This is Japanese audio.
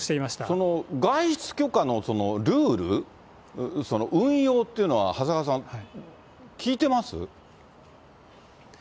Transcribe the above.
その外出許可のそのルール、運用っていうのは長谷川さん、聞いてます？